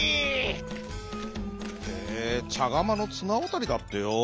「へえちゃがまのつなわたりだってよ」。